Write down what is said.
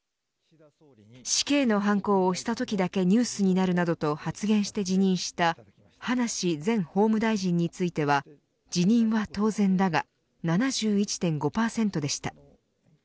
死刑のハンコを押したときだけニュースになるなどと発言して辞任した葉梨前法務大臣については辞任は当然だ、が７１．５％でした。